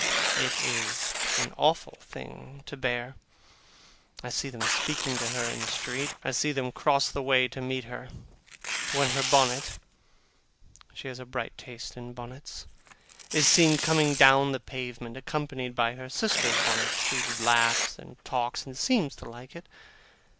It is an awful thing to bear. I see them speaking to her in the street. I see them cross the way to meet her, when her bonnet (she has a bright taste in bonnets) is seen coming down the pavement, accompanied by her sister's bonnet. She laughs and talks, and seems to like it.